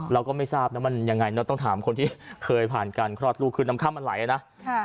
เราก็ไม่ทราบนะต้องถามคนที่คลอดลูกคือน้ำคล่ำมันไหลนะ